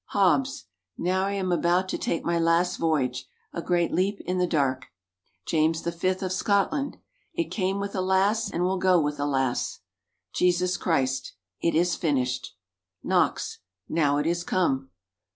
Hobbes. "Now I am about to take my last voyage a great leap in the dark." James V (of Scotland). "It came with a lass, and will go with a lass." Jesus Christ. "It is finished!" Knox. "Now it is come."